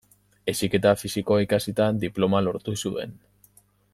Heziketa Fisikoa ikasita, diploma lortu zuen.